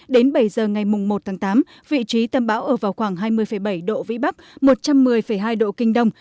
đến bảy giờ ngày một tháng tám vị trí tâm bão ở vào khoảng hai mươi bảy độ vĩ bắc một trăm một mươi hai độ kinh đông